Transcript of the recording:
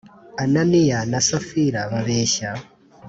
Ananiya na Safira babeshya